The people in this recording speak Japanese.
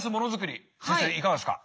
先生いかがですか。